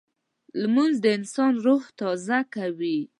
لمونځ د انسان روح تازه کوي